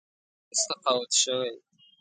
اوس تقاعد شوی.